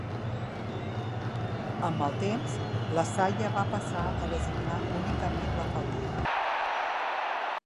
Amb el temps, la saia va passar a designar únicament la faldilla.